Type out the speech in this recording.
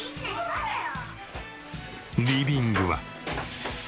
リビングは。